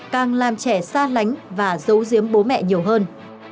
càng làm trẻ xa lánh và giấu giếm bố mẹ nhiều hơn